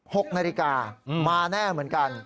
หน้าตัว๑๖นาฬิกามาแน่เหมือนกัน